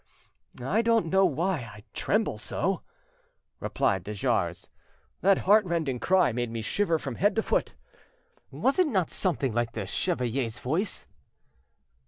"I don't know why I tremble so," replied de Jars; "that heart rending cry made me shiver from head to foot. Was it not something like the chevalier's voice?"